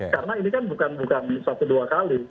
karena ini kan bukan bukan satu dua kali